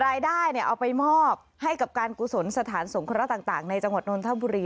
รายได้เอาไปมอบให้กับการกุศลสถานสงเคราะห์ต่างในจังหวัดนทบุรี